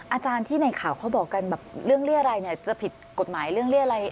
อาจารย์ที่ในข่าวเขาบอกกันแบบเรื่องเรียรัยเนี่ยจะผิดกฎหมายเรื่องเรียรัย